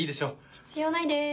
必要ないです。